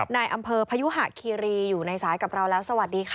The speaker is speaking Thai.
ในอำเภอพยุหะคีรีอยู่ในสายกับเราแล้วสวัสดีค่ะ